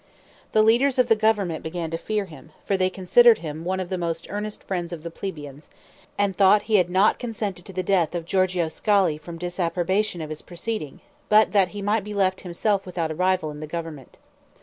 The leaders of the government began to fear him, for they considered him one of the most earnest friends of the plebeians, and thought he had not consented to the death of Giorgio Scali from disapprobation of his proceeding, but that he might be left himself without a rival in the government.